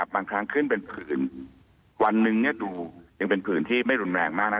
บางครั้งขึ้นเป็นผื่นวันหนึ่งดูยังเป็นผื่นที่ไม่รุนแรงมากนะ